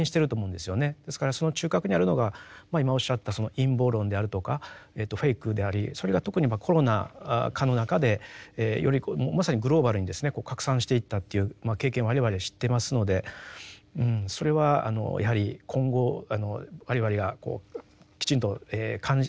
ですからその中核にあるのが今おっしゃったその陰謀論であるとかフェイクでありそれが特にコロナ禍の中でよりまさにグローバルにですね拡散していったという経験を我々知ってますのでそれはやはり今後我々がきちんと関心をですね